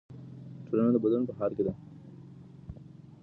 ټولنه د بدلون په حال کې ده.